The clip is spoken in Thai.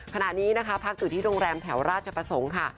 ขณะนี้นะคะพักอยู่ที่โรงแรมแถวราชประสงค์ค่ะ